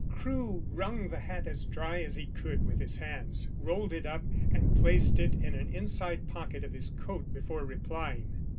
Crewe wrung the hat as dry as he could with his hands, rolled it up, and placed it in an inside pocket of his coat before replying.